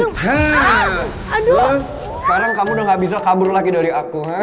lo sekarang kamu udah gak bisa kabur lagi dari aku